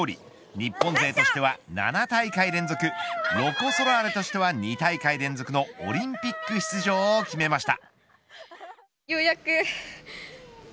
日本勢としては７大会連続ロコ・ソラーレとしては２大会連続のオリンピック出場を決めました。